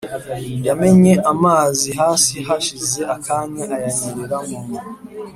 Yamennye amazi hasi hashize akanya ayanyereramo